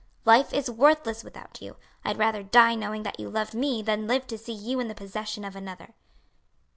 "Life is worthless without you. I'd rather die knowing that you loved me than live to see you in the possession of another."